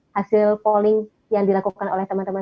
hasil polling yang dilakukan oleh teman teman